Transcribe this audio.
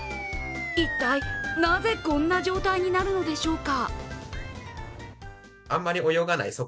一体、なぜこんな状態になるのでしょうか。